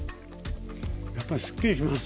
やっぱりすっきりします。